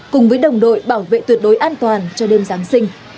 cùng với đồng đội bảo vệ tuyệt đối an toàn cho đêm giáng sinh